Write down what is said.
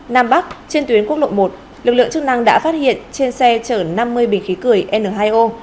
nam bắc trên tuyến quốc lộ một lực lượng chức năng đã phát hiện trên xe chở năm mươi bình khí cười n hai o